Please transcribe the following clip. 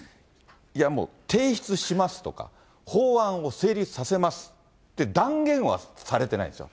いやもう、提出しますとか、法案を成立させますって、断言はされてないんです。